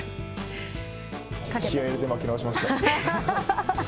気合い入れて巻き直しました。